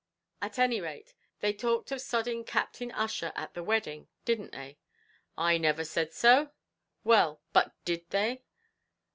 "At any rate, they talked of sodding Captain Ussher at the wedding didn't they?" "I niver said so." "Well, but did they?"